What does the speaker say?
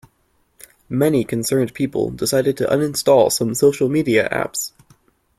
Many concerned people decided to uninstall some social media apps.